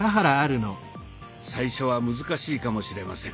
最初は難しいかもしれません。